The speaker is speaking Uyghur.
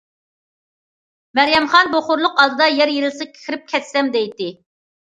مەريەمخان بۇ خورلۇق ئالدىدا يەر يېرىلسا كىرىپ كەتسەم دەيتتى.